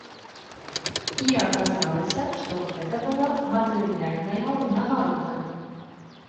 І аказалася, што гэта была матэрыяльная ўзнагарода.